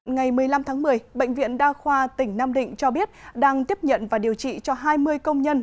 ngày một mươi năm tháng một mươi bệnh viện đa khoa tỉnh nam định cho biết đang tiếp nhận và điều trị cho hai mươi công nhân